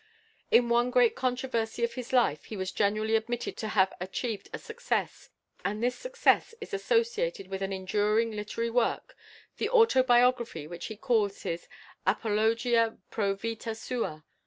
In one great controversy of his life he was generally admitted to have achieved a success, and this success is associated with an enduring literary work, the autobiography which he calls his "Apologia pro Vitâ Suâ."